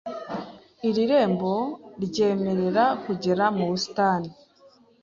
Iri rembo ryemerera kugera mu busitani.